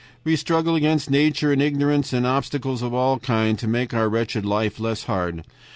We struggle against nature and ignorance and obstacles of all kinds to make our wretched life less hard.